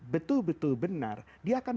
betul betul benar dia akan